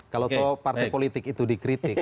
kalau tahu partai politik itu dikritik